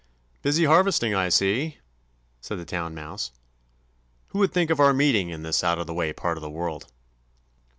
"Busy harvesting, I see," said the Town Mouse. "Who would think of our meeting in this out of the way part of the world?"